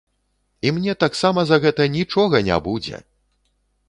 І мне таксама за гэта нічога не будзе!